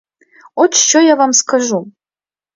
От що я вам скажу.